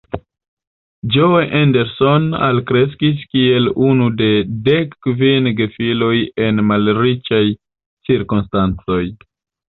Joe Henderson alkreskis kiel unu de dek kvin gefiloj en malriĉaj cirkonstancoj.